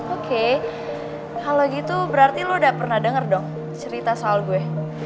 oke kalau gitu berarti lo udah pernah denger dong cerita soal gue